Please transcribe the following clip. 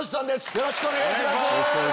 よろしくお願いします。